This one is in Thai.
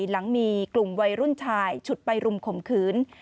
หลังมีกลุ่มวัยรุ่นชายฉุดไปรุมข่มขืน